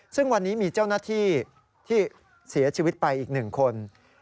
ซึ่งวันนี้มีเจ้าหน้าที่ที่เสียชีวิตไปอีก๑คน